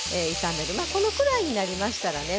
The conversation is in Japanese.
このくらいになりましたらね